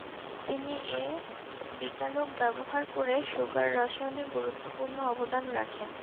তিনি এ বিকারক ব্যবহার করে সুগার রসায়নে গুরুত্বপূর্ণ অবদান রাখেন।